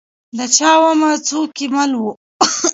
د چا ومه؟ څوک کې مل وه ؟